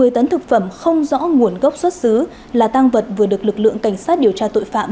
một mươi tấn thực phẩm không rõ nguồn gốc xuất xứ là tăng vật vừa được lực lượng cảnh sát điều tra tội phạm